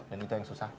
dan itu yang susah